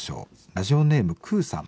ラジオネームクウさん。